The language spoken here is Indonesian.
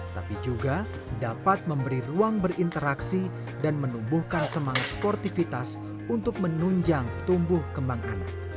tapi juga dapat memberi ruang berinteraksi dan menumbuhkan semangat sportivitas untuk menunjang tumbuh kembang anak